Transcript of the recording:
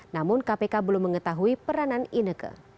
namun kpk belum mengetahui peranan ineke